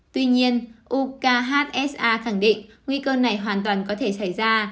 tuy nhiên uksa khẳng định nguy cơ này hoàn toàn có thể xảy ra